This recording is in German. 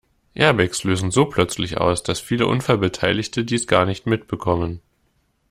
Airbags lösen so plötzlich aus, dass viele Unfallbeteiligte dies gar nicht mitbekommen.